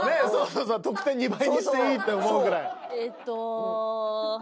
得点２倍にしていいって思うぐらい。